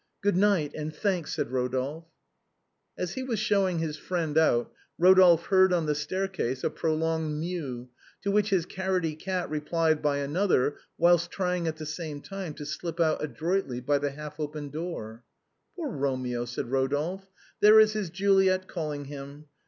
" Good night, and thanks," said Eodolphe. As he was showing his friend out Eodolphe heard on the staircase a prolonged mew, to which his carroty cat replied by another, whilst trying at the same time to slip out adroitly by the half open door. 162 THE BOHEMIANS OF THE LATIN QUARTER. " Poor Eomeo !" said Eodolphe, " there is his Juliet calling him.